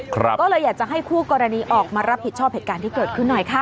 ก็เลยอยากจะให้คู่กรณีออกมารับผิดชอบเหตุการณ์ที่เกิดขึ้นหน่อยค่ะ